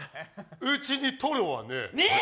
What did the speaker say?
うちにとろはねえ。